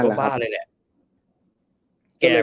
ก็บ้าเลยแหละ